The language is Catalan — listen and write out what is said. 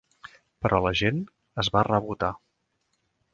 Però la gent es va rebotar.